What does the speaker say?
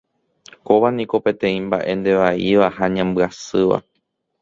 Kóva niko peteĩ mbaʼe ndevaíva ha ñambyasýva.